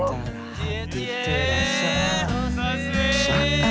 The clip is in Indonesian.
itu terukin lo